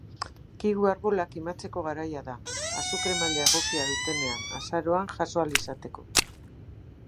Kiwi arbolak kimatzeko garaia da, azukre-maila egokia dutenean, azaroan, jaso ahal izateko.